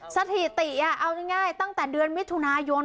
สถิติเอาง่ายตั้งแต่เดือนมิถุนายน